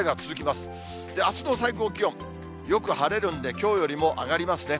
あすの最高気温、よく晴れるんで、きょうよりも上がりますね。